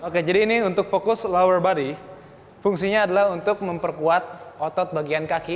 oke jadi ini untuk fokus lower body fungsinya adalah untuk memperkuat otot bagian kaki